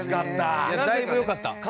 いやだいぶよかった。